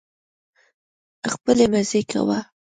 خپلې مزې کوه